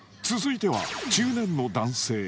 続いては、中年の男性。